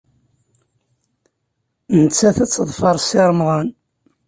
Nettat ad teḍfer Si Remḍan.